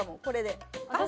これで。